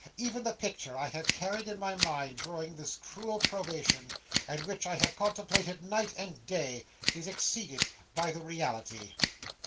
Even the picture I have carried in my mind during this cruel probation, and which I have contemplated night and day, is exceeded by the reality."